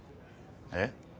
えっ？